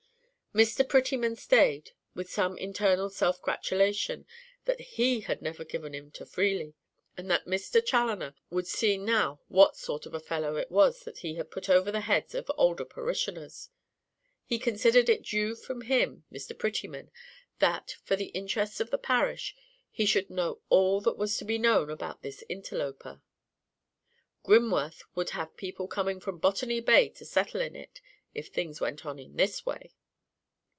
Mr. Prettyman stayed, with some internal self gratulation that he had never given in to Freely, and that Mr. Chaloner would see now what sort of fellow it was that he had put over the heads of older parishioners. He considered it due from him (Mr. Prettyman) that, for the interests of the parish, he should know all that was to be known about this "interloper." Grimworth would have people coming from Botany Bay to settle in it, if things went on in this way.